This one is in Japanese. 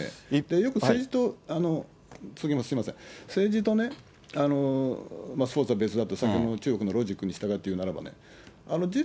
よく政治と、すみません、政治とね、スポーツは別だと、中国のロジックに従って言うならば。